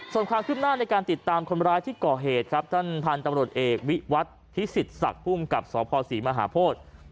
ส่วนความคืบหน้าในการติดตามคนร้ายที่ก่อเหตุครับท่านพันธุ์ตำรวจเอกวิวัตรพิสิทธศักดิ์ภูมิกับสภศรีมหาโพธิ